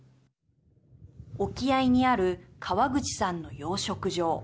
沖合にある川口さんの養殖場。